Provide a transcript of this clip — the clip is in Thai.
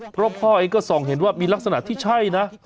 เพราะพ่อเองก็ส่องเห็นว่ามีลักษณะที่ใช่นะ